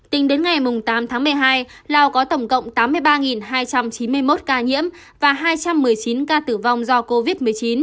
tính đến ngày tám tháng một mươi hai lào có tổng cộng tám mươi ba hai trăm chín mươi một ca nhiễm và hai trăm một mươi chín ca tử vong do covid một mươi chín